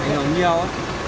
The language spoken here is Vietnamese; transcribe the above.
có ảnh hưởng nhiều